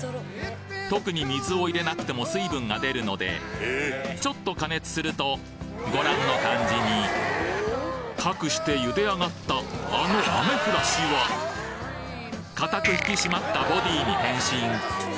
特に水を入れなくても水分が出るのでちょっと加熱するとご覧の感じにかくして茹で上がったあのアメフラシはかたく引き締まったボディーに変身